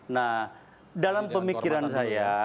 nah dalam pemikiran saya